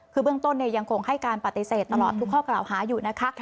คือเบื้องต้นยังคงให้การปฏิเสธตลอดทุกข้อกล่าวหาอยู่นะคะ